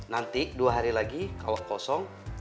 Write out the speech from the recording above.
nanti dua hari lagi kalau kosong